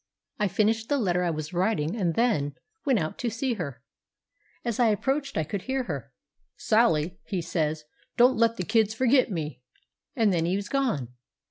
I finished the letter I was writing, and then went out to see her. As I approached, I could hear her: "'Sally,' he says, 'don't let the kids fergit me,' and then 'e was gone.